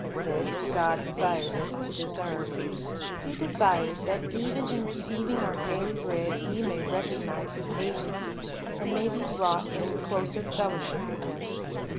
This God desires us to discern; He desires that even in receiving our daily bread we may recognize His agency, and may be brought into closer fellowship with Him.